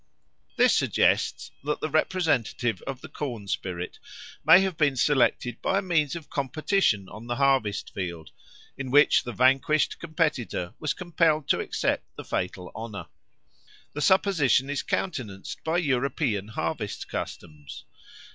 This suggests that the representative of the corn spirit may have been selected by means of a competition on the harvest field, in which the vanquished competitor was compelled to accept the fatal honour. The supposition is countenanced by European harvest customs.